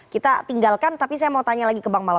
kita tinggalkan tapi saya mau tanya lagi ke bang mala